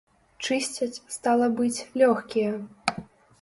Чысцяць, стала быць, лёгкія.